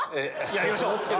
やりましょう！